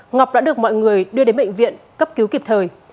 ngọc đã được mọi người đưa đến bệnh viện cấp cứu kịp thời